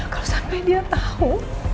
kalo sampe dia tau